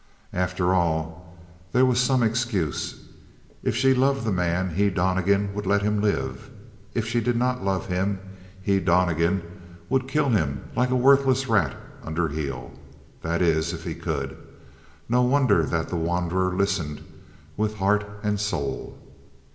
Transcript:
After all, there was some excuse. If she loved the man he, Donnegan, would let him live; if she did not love him, he, Donnegan, would kill him like a worthless rat under heel. That is, if he could. No wonder that the wanderer listened with heart and soul!